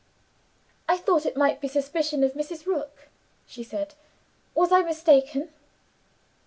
"I thought it might be suspicion of Mrs. Rook," she said. "Was I mistaken?"